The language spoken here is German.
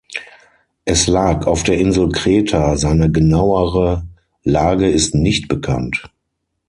Es lag auf der Insel Kreta, seine genauere Lage ist nicht bekannt.